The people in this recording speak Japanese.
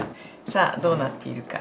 さあどうなっているか？